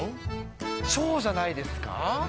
ショーじゃないですか？